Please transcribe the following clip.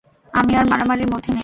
আমি আর মারামারির মধ্যে নেই।